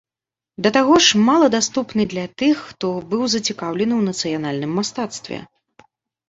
Да таго ж, мала даступны для тых, хто быў зацікаўлены ў нацыянальным мастацтве.